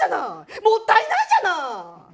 もったいないじゃない。